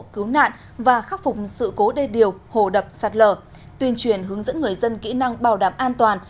cứu nạn và khắc phục sự cố đê điều hồ đập sạt lở tuyên truyền hướng dẫn người dân kỹ năng bảo đảm an toàn